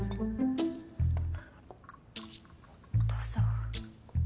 どうぞ。